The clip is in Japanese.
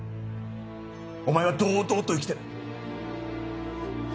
お前は堂々と生きてる。